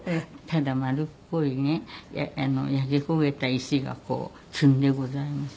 ただ丸っこいね焼け焦げた石が積んでございます。